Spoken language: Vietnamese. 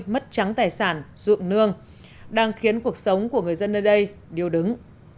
mất trắng tài sản ruộng nương đang khiến cuộc sống của người dân nơi đây điều đứng